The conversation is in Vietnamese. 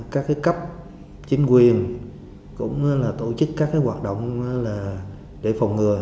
các cấp chính quyền cũng tổ chức các hoạt động để phòng ngừa